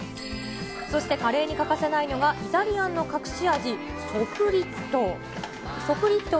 そして、カレーに欠かせないのがイタリアンの隠し味、ソフリット。